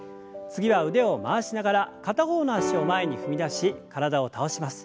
次は腕を回しながら片方の脚を前に踏み出し体を倒します。